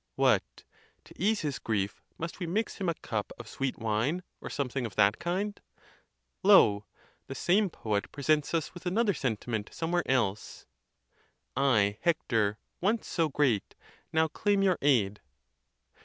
What! to ease his grief, must we mix him a cup of sweet wine, or something of that kind? Lo! the same poet pre sents us with another sentiment somewhere else: I, Hector, once so great, now claim your aid.